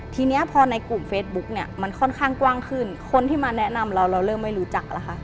ทีนี้พอในกลุ่มเฟซบุ๊กเนี่ยมันค่อนข้างกว้างขึ้นคนที่มาแนะนำเราเราเริ่มไม่รู้จักแล้วค่ะ